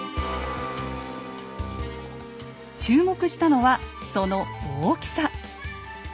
注目したのはその大きさ。